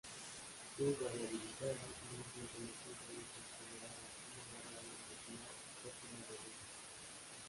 Su variabilidad no es bien conocida y es considerada una variable irregular o semirregular.